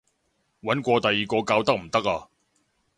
搵過第二個教得唔得啊？